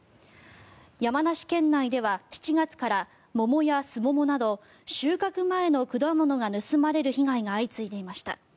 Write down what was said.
山梨県内では７月から桃やスモモなど収穫前の果物が盗まれる被害が相次いでいました。